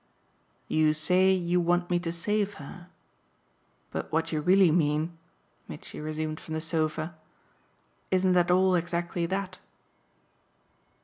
"You say you want me to save her. But what you really mean," Mitchy resumed from the sofa, "isn't at all exactly that."